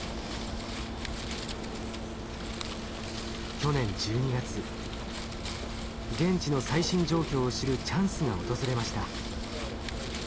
去年１２月現地の最新状況を知るチャンスが訪れました。